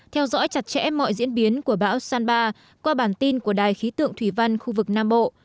theo dõi chặt chẽ mọi diễn biến của bão sanba qua bản tin của đài khí tượng thủy văn khu vực nam bộ